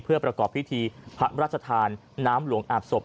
เพื่อประกอบพิธีพระราชทานน้ำหลวงอาบศพ